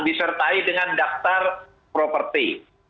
disertai dengan daftar properti